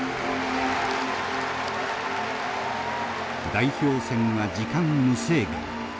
代表戦は時間無制限。